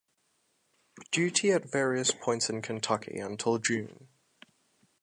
Duty at various points in Kentucky until June.